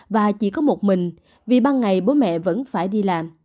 và chỉ có một mình vì ban ngày bố mẹ vẫn phải đi làm